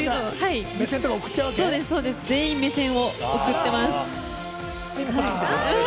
全員目線を送ってます。